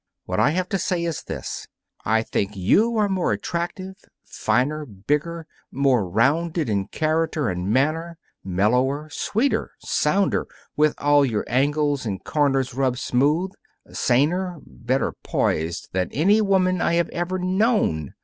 What I have to say is this: I think you are more attractive finer, bigger, more rounded in character and manner, mellower, sweeter, sounder, with all your angles and corners rubbed smooth, saner, better poised than any woman I have ever known.